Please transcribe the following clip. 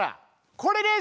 これです！